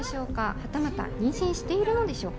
はたまた妊娠しているのでしょうか。